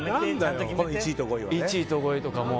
１位と５位とかはもう。